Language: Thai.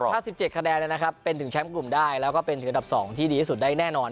ถ้า๑๗คะแนนเป็นถึงแชมป์กลุ่มได้แล้วก็เป็นถึงอันดับ๒ที่ดีที่สุดได้แน่นอน